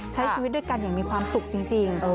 ใช้ชีวิตด้วยกันอย่างมีความสุขจริง